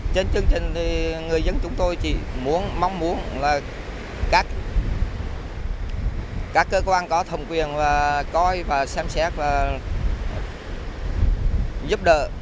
trên chương trình thì người dân chúng tôi chỉ mong muốn là các cơ quan có thầm quyền coi và xem xét và giúp đỡ